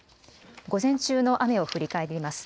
午前中の雨を振り返ります。